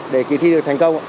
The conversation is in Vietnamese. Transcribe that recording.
để kỳ thi được thành công